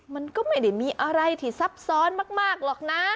มันก็ไม่ได้มีอะไรที่ซับซ้อนมากหรอกนะ